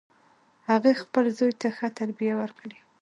هغې خپل زوی ته ښه تربیه ورکړي